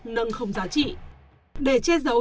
nâng không giá trị để che giấu